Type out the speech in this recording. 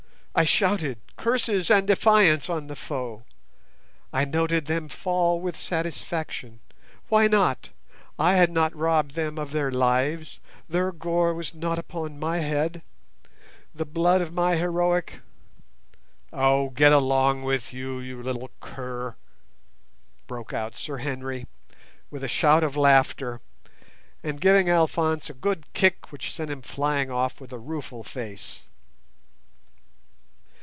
I shouted curses and defiance on the foe! I noted them fall with satisfaction! Why not? I had not robbed them of their lives. Their gore was not upon my head. The blood of my heroic—" "Oh, get along with you, you little cur!" broke out Sir Henry, with a shout of laughter, and giving Alphonse a good kick which sent him flying off with a rueful face.